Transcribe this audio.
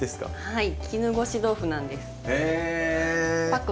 はい。